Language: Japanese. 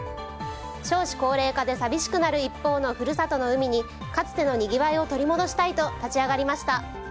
少子高齢化で寂しくなる一方の故郷の海にかつてのにぎわいを取り戻したいと立ち上がりました。